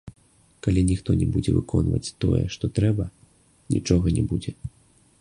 Калі ніхто не будзе выконваць тое, што трэба, нічога не будзе.